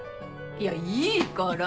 いやいいから！